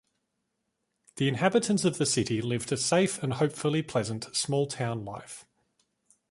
The inhabitants of the city lived a safe and hopefully pleasant small-town life.